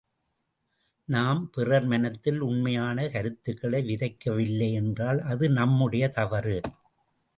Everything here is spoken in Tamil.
நாம் பிறர் மனதில் உண்மையான கருத்துக்களை விதைக்கவில்லை என்றால் அது நம்முடைய தவறு.